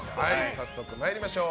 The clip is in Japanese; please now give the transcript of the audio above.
早速参りましょう。